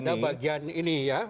ada bagian ini ya